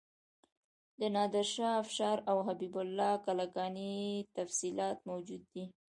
د نادر شاه افشار او حبیب الله کلکاني تفصیلات موجود دي.